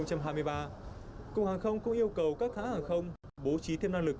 cục hàng không cũng yêu cầu các hãng hàng không bố trí thêm năng lực